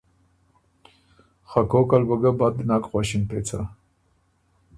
خه کوکل بُو ګۀ بد نک غؤݭِن پېڅه۔